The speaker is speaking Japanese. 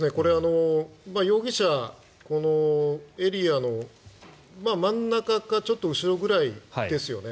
容疑者、このエリアの真ん中かちょっと後ろぐらいいですよね。